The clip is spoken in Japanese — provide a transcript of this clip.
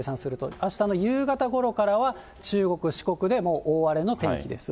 あしたの夕方ごろからは中国、四国で、もう大荒れの天気です。